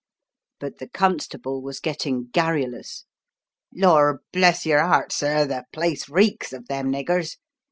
But the constable was getting garrulous. "Lor* bless yer 'eart, sir, the place reeks of them niggers!"